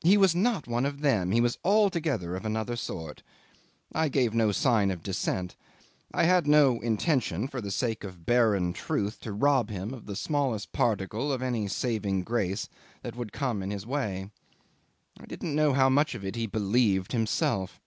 He was not one of them; he was altogether of another sort. I gave no sign of dissent. I had no intention, for the sake of barren truth, to rob him of the smallest particle of any saving grace that would come in his way. I didn't know how much of it he believed himself.